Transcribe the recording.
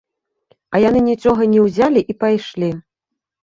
А яны нічога не ўзялі і пайшлі.